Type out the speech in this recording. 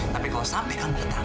tapi kalau sampai kamu ketahanan